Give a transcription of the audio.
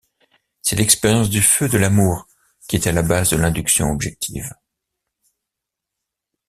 C’est l’expérience du feu de l’amour qui est à la base de l’induction objective.